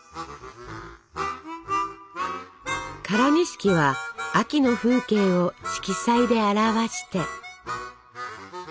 唐錦は秋の風景を色彩で表して。